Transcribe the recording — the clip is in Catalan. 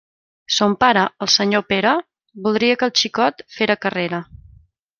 Son pare, el senyor Pere, voldria que el xicot «fera carrera».